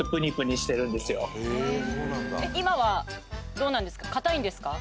今はどうなんですか？